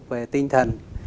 về tinh thần